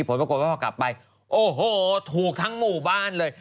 พอกับไปโอ้โหถูกทั้งหมู่บ้านเลย